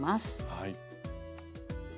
はい。